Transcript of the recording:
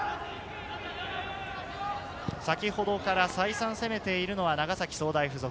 先ほどから再三攻めているのは長崎総大附属。